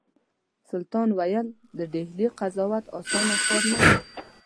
سلطان ویل د ډهلي قضاوت اسانه کار نه دی.